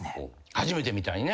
初めてみたいにね。